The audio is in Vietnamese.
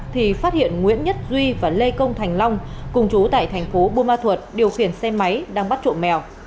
thì phát hiện nguyễn nhất duy và lê công thành long cùng chú tại thành phố buôn ma thuật điều khiển xe máy đang bắt trộm mèo